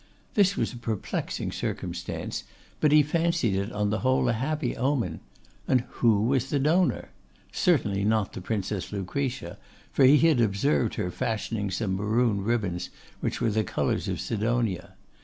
This was a perplexing circumstance, but he fancied it on the whole a happy omen. And who was the donor? Certainly not the Princess Lucretia, for he had observed her fashioning some maroon ribbons, which were the colours of Sidonia.